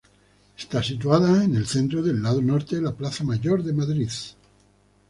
Está situada en el centro del lado norte de la Plaza Mayor de Madrid.